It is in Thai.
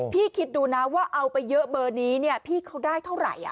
คิดดูนะว่าเอาไปเยอะเบอร์นี้เนี่ยพี่เขาได้เท่าไหร่